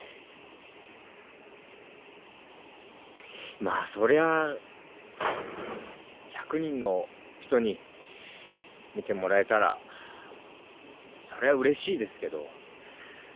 まぁそりゃ１００人の人に見てもらえたらそりゃうれしいですけど。